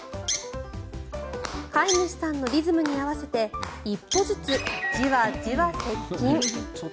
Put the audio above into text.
飼い主さんのリズムに合わせて１歩ずつじわじわ接近。